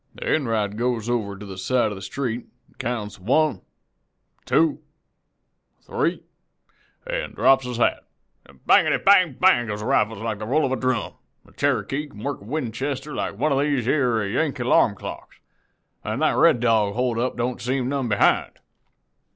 "Enright goes over to the side of the street, counts 'one,' 'two,' 'three,' an' drops his hat. Bangety! Bang! Bang! goes the rifles like the roll of a drum. Cherokee can work a Winchester like one of these yere Yankee 'larm clocks, an' that Red Dog hold up don't seem none behind.